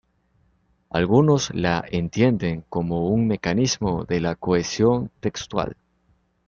Algunos la entienden como un mecanismo de la cohesión textual.